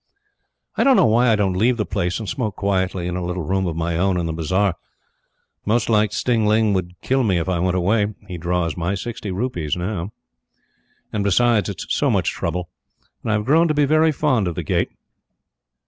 I don't know why I don't leave the place and smoke quietly in a little room of my own in the bazar. Most like, Tsin ling would kill me if I went away he draws my sixty rupees now and besides, it's so much trouble, and I've grown to be very fond of the Gate.